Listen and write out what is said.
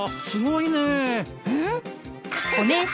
すごいね。